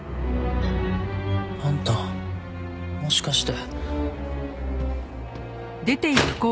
あんたもしかして。